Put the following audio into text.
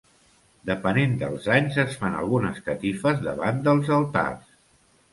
Depenent dels anys es fan algunes catifes davant dels altars.